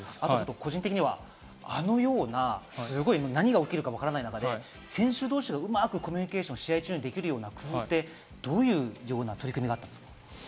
個人的にはあのような、何が起こるかわからない中で、選手同士がうまくコミュニケーションできるような工夫って、どういう取り組みがあったんですか？